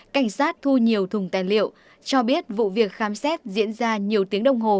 cảnh sát thu nhiều thùng tài liệu cho biết vụ việc khám xét diễn ra nhiều tiếng đồng hồ